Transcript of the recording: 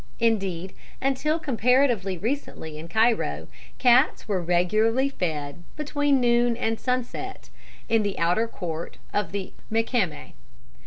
Indeed, until comparatively recently in Cairo, cats were regularly fed, between noon and sunset, in the outer court of the Mehkemeh.